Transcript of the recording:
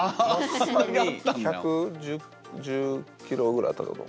１１０ｋｇぐらいあったってこと。